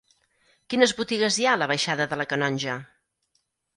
Quines botigues hi ha a la baixada de la Canonja?